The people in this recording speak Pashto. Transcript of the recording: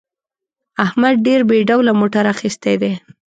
احمد ډېر بې ډوله موټر اخیستی دی.